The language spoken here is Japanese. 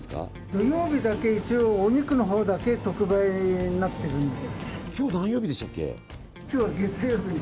土曜日だけ、お肉のほうだけ特売になってるんです。